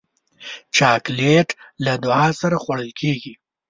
چاکلېټ له دعا سره خوړل کېږي.